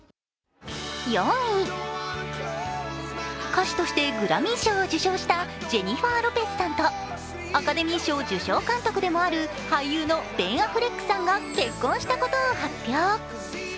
歌手としてグラミー賞を受賞したジェニファー・ロペスさんとアカデミー賞受賞監督でもある俳優のベン・アフレックさんが結婚したことを発表。